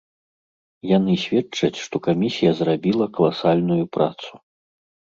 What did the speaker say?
Яны сведчаць, што камісія зрабіла каласальную працу.